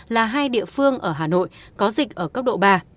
là hai địa phương ở hà nội có dịch ở cấp độ ba